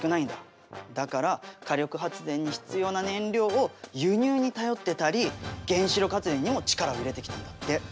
だから火力発電に必要な燃料を輸入に頼ってたり原子力発電にも力を入れてきたんだって。